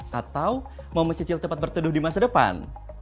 atau mau mencicil tempat berteduh di masa depan